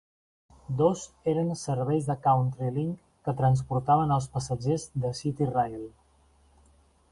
Dos eren serveis de CountryLink que transportaven als passatgers de CityRail.